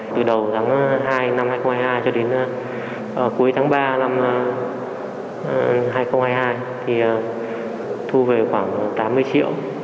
từ đầu tháng hai năm hai nghìn hai mươi hai cho đến cuối tháng ba năm hai nghìn hai mươi hai thì thu về khoảng tám mươi triệu